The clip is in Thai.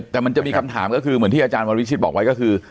แต่มันจะมีคำถามก็คือเหมือนที่อาจารย์วรวิชิตบอกไว้ก็คือ